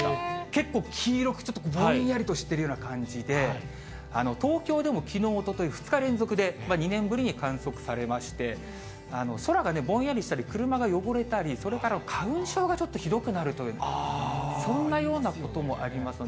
結構黄色くぼんやりとしてるような感じで、東京でもきのう、おととい、２日連続で２年ぶりに観測されまして、空がぼんやりしたり、車が汚れたり、それから花粉症がちょっとひどくなるという、そんなようなこともありますので。